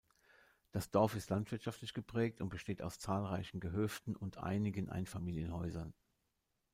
Das Dorf ist landwirtschaftlich geprägt und besteht aus zahlreichen Gehöften und einigen Einfamilienhäusern.